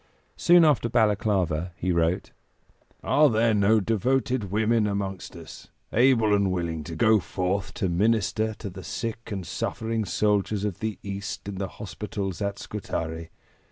Soon after Balaklava he wrote: "Are there no devoted women amongst us, able and willing to go forth to minister to the sick and suffering soldiers of the East in the hospitals at Scutari?